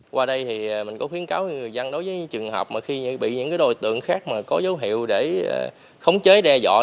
qua đây thì mình có khuyến cáo người dân đối với trường hợp mà khi bị những đối tượng khác có dấu hiệu để khống chế đe dọa